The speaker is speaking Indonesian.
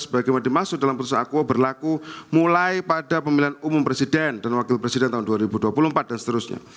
sebagaimana dimaksud dalam proses akuo berlaku mulai pada pemilihan umum presiden dan wakil presiden tahun dua ribu dua puluh empat dan seterusnya